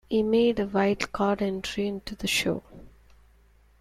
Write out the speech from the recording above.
He made a wild card entry into the show.